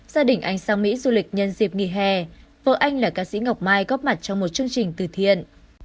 gia đình anh sang mỹ du lịch nhân dịp nghỉ hè vợ anh là ca sĩ ngọc mai góp mặt trong một chương trình từ thiện